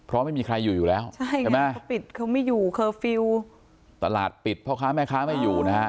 เพราะไม่มีใครอยู่อยู่แล้วใช่ไหมเขาปิดเขาไม่อยู่เคอร์ฟิลล์ตลาดปิดพ่อค้าแม่ค้าไม่อยู่นะฮะ